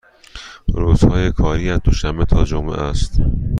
روزهای کاری از دوشنبه تا جمعه است.